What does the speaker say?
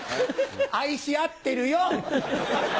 愛し合ってるよ！